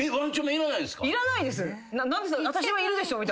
いらないです。